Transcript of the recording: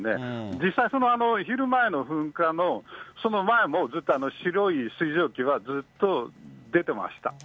実際、その昼前の噴火のその前も、ずっと白い水蒸気はずっと出てました。